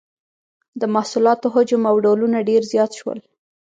د محصولاتو حجم او ډولونه ډیر زیات شول.